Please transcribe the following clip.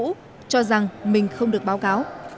vũ cho rằng mình không được báo cáo